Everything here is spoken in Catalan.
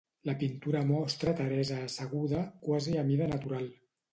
La pintura mostra Teresa asseguda, quasi a mida natural.